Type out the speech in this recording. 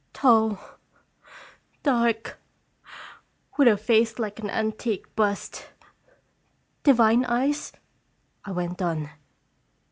" Tall, dark, with a face like an antique bust, divine eyes?" I went on.